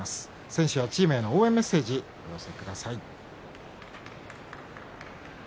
選手やチームへの応援、メッセージをお寄せください。